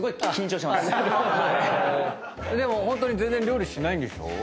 ホントに料理しないんでしょ？